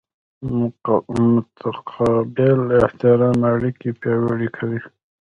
متقابل احترام اړیکې پیاوړې کوي.